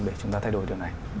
để chúng ta thay đổi được này